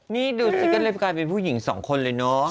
นี่ดูชิคกี้พายเป็นผู้หญิง๒คนเลยเนาะ